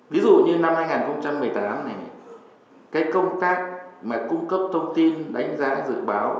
ví dụ như năm hai nghìn một mươi tám này cái công tác mà cung cấp thông tin đánh giá dự báo